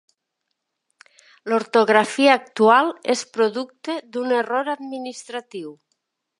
L'ortografia actual és producte d'un error administratiu.